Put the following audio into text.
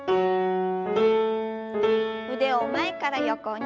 腕を前から横に。